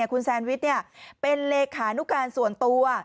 คุณแซนวิทย์เนี่ยเป็นเลขานุการส่วนตัว